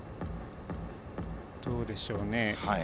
どうでしょうね。